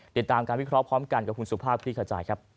ติดตามการวิเคราะห์พร้อมกันกับคุณสุภาพคลี่ขจายครับ